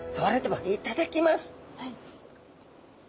はい。